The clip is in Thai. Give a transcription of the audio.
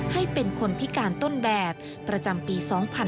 ให้เป็นคนพิการต้นแบบประจำปี๒๕๕๙